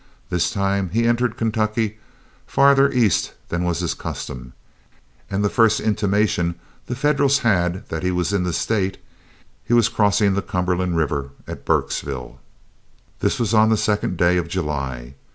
This time he entered Kentucky farther east than was his custom, and the first intimation the Federals had that he was in the state, he was crossing the Cumberland River at Burkesville. This was on the second day of July.